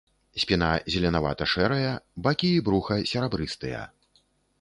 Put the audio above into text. Спіна зеленавата-шэрая, бакі і бруха серабрыстыя.